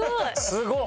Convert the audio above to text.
すごい。